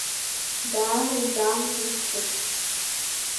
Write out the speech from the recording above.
Даара изаамҭану шәҟәуп.